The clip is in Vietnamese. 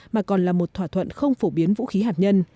mà còn là một thỏa thuận không phổ biến vũ khí hạt nhân